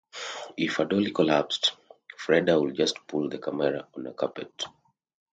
If a dolly collapsed, Freda would just pull the camera on a carpet.